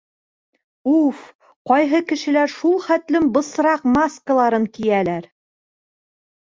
Уф, ҡайһы кешеләр шул хәтлем бысраҡ маскаларын кейәләр.